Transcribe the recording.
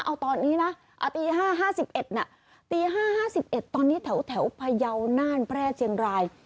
เอาตอนนี้นะตี๕๕๑ตี๕๕๑ตอนนี้แถวพยาวน่านแพร่เชียงราย